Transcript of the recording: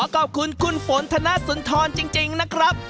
ขอบคุณคุณฝนธนสุนทรจริงนะครับ